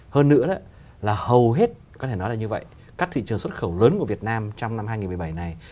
hơn nữa là hầu hết có thể nói là như vậy các thị trường xuất khẩu lớn của việt nam trong năm hai nghìn một mươi bảy này